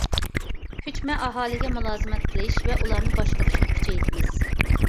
كۆچمە ئاھالىگە مۇلازىمەت قىلىش ۋە ئۇلارنى باشقۇرۇشىنى كۈچەيتىمىز.